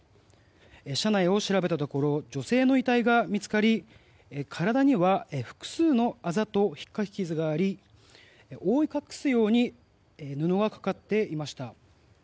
車内を調べたところ女性の遺体が見つかり体には複数のあざとひっかき傷があり覆い隠すように布がかかっていました。